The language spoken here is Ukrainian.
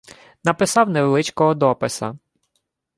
Написав невеличкого дописа